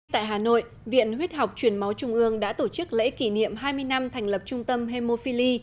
tại hà nội viện huyết học truyền máu trung ương đã tổ chức lễ kỷ niệm hai mươi năm thành lập trung tâm hemophili